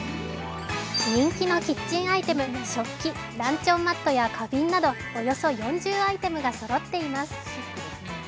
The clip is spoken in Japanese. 人気のキッチンアイテム食器、ランチョンマットや花瓶などおよそ４０アイテムがそろっています。